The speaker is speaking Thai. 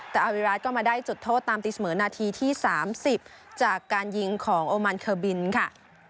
แต่อาวิรัติก็มาได้จุดโทษตามตีเสมอนาทีที่๓๐จากการยิงของโอมันเคอร์บินค่ะ